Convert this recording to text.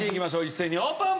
一斉にオープン！